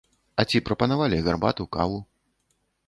А ці прапанавалі гарбату, каву?